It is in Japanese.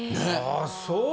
ああそう。